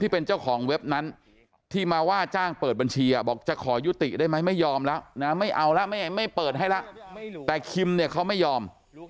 เป็นเจ้าของเว็บนั้นที่มาว่าจ้างเปิดบัญชีบอกจะขอยุติได้ไหมไม่ยอมแล้วนะไม่เอาแล้วไม่เปิดให้แล้วแต่คิมเนี่ยเขาไม่ยอม